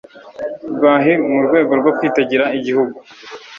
Rwahi mu rwego rwo kwitegera igihugu